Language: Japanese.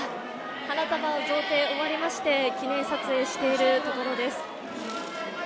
花束贈呈終わりまして、記念撮影しているところです。